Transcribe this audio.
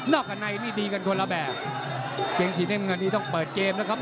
นอกกะไนนี่ดีกันคนละแบบกงเกงสีแดงนี้ต้องเปิดเกมนะครับ